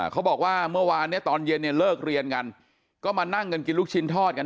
เขาบอกว่าเมื่อวานเนี่ยตอนเย็นเนี่ยเลิกเรียนกันก็มานั่งกันกินลูกชิ้นทอดกัน